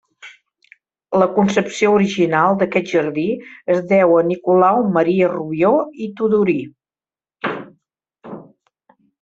La concepció original d'aquest jardí es deu a Nicolau Maria Rubió i Tudurí.